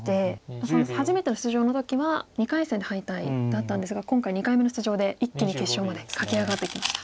その初めての出場の時は２回戦で敗退だったんですが今回２回目の出場で一気に決勝まで駆け上がってきました。